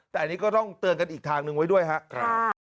แต่อันนี้ก็ต้องเตือนกันอีกทางหนึ่งไว้ด้วยครับ